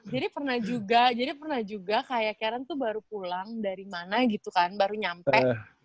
jadi pernah juga jadi pernah juga kayak karen tuh baru pulang dari mana gitu kan baru nyampe